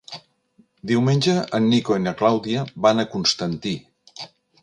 Diumenge en Nico i na Clàudia van a Constantí.